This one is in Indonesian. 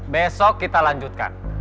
besok kita lanjutkan